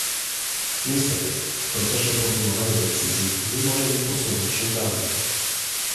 Niestety, w procesie podejmowania decyzji nie możemy posunąć się dalej